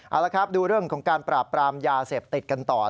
เอาละครับดูเรื่องของการปราบปรามยาเสพติดกันต่อ